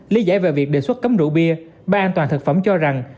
lý giải về việc đề xuất cấm rượu bia ban an toàn thực phẩm cho rằng